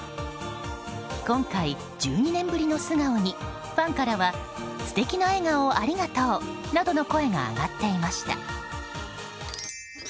今回、１２年ぶりの素顔にファンからは素敵な笑顔をありがとうなどの声が上がっていました。